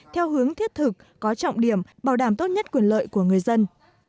theo hướng thiết thực có trọng điểm bảo đảm tốt nhất quyền lợi của người dân